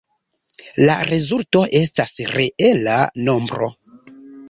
La rezulto estas reela nombro.